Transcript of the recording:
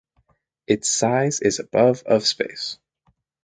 Its size is above of space.